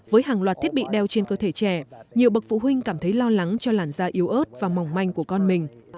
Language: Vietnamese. với hàng loạt thiết bị đeo trên cơ thể trẻ nhiều bậc phụ huynh cảm thấy lo lắng cho làn da yếu ớt và mỏng manh của con mình